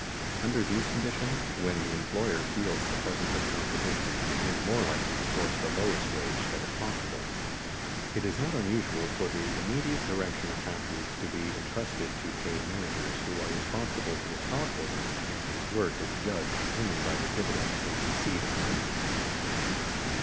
Under these conditions, when the employer feels the presence of competition, he is more likely to force the lowest wage that is possible. It is not unusual for the immediate direction of factories to be intrusted to paid managers, who are responsible to the stockholders and whose work is judged only by the dividends they succeed in earning.